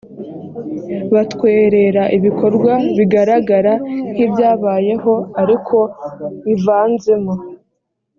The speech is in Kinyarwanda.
batwerera ibikorwa bigaragara nk ibyabayeho ariko bivanzemo